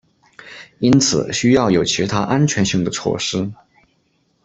因此需要有其他安全性的措施。